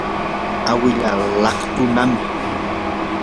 awilaa laqtunami.